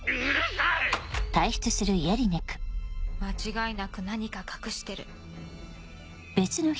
間違いなく何か隠してる。